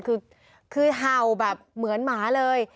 คือเห่าแบบเหมือนหมาเลย